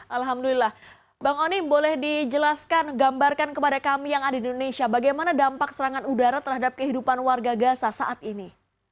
alhamdulillah bang onim boleh dijelaskan gambarkan kepada kami yang ada di indonesia bagaimana dampak serangan udara terhadap kehidupan warga gaza saat ini